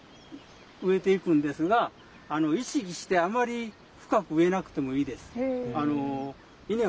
植えていくんですが意識してあまり深く植えなくてもいいです。